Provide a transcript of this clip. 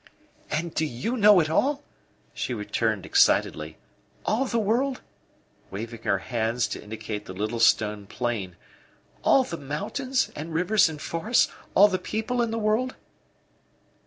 "And do you know it all?" she returned excitedly. "All the world?" waving her hand to indicate the little stone plain. "All the mountains, and rivers, and forests all the people in the world?"